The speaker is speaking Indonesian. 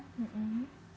jadi seperti itu